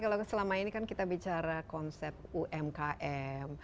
kalau selama ini kan kita bicara konsep umkm